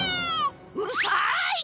「うるさい！」